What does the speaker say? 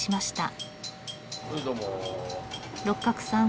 六角さん